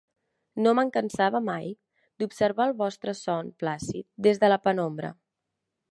No me'n cansava mai, d'observar el vostre son plàcid des de la penombra.